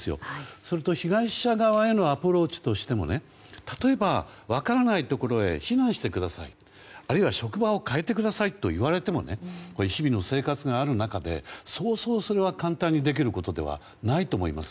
それと、被害者側へのアプローチとしても例えば、分からないところへ避難してくださいあるいは職場を変えてくださいと言われても日々の生活がある中でそうそう、それは簡単にできることではないと思います。